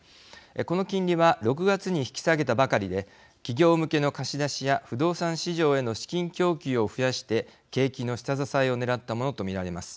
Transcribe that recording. この金利は６月に引き下げたばかりで企業向けの貸し出しや不動産市場への資金供給を増やして景気の下支えをねらったものと見られます。